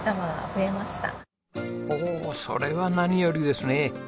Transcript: おおそれは何よりですね。